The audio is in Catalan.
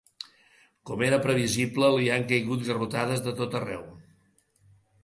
Com era previsible, li han caigut garrotades de tot arreu.